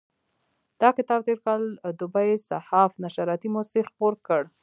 دا کتاب تېر کال دوبی صحاف نشراتي موسسې خپور کړ.